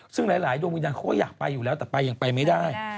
ซึ่งหลายดวงวิญญาณเขาก็อยากไปอยู่แล้วแต่ไปยังไปไม่ได้